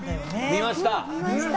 見ました！